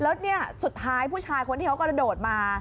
แล้วเนี่ยสุดท้ายผู้ชายคนที่เขากระโดดมา